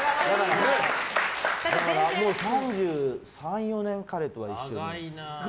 もう３３３４年彼とは一緒にいるかな。